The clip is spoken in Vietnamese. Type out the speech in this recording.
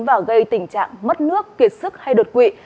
và gây tình trạng mất nước kiệt sức hay đột quỵ